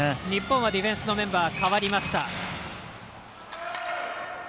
日本はディフェンスのメンバーかわりました。